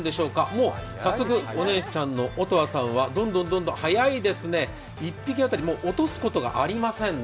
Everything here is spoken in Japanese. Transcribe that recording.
もう早速お姉ちゃんの音羽さん早いですね、１匹当たり、落とすことがありませんね。